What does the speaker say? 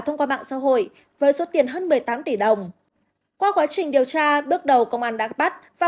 thông qua mạng xã hội với số tiền hơn một mươi tám tỷ đồng qua quá trình điều tra bước đầu công an đã bắt và